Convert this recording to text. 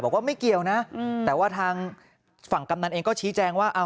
บอกว่าไม่เกี่ยวนะแต่ว่าทางฝั่งกำนันเองก็ชี้แจงว่า